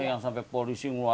yang sampai polisi ngeluarkan